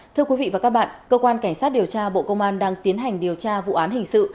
thưa quý vị và các bạn cơ quan cảnh sát điều tra bộ công an đang tiến hành điều tra vụ án hình sự